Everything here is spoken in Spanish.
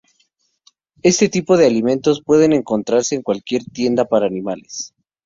Este tipo de alimentos pueden encontrarse en cualquier tienda para animales.